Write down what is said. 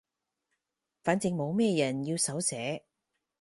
反正冇咩人要手寫